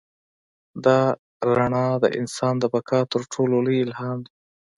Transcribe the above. دا رڼا د انسان د بقا تر ټولو لوی الهام دی.